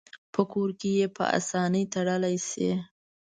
په کور کې یې په آسانه تړلی شي.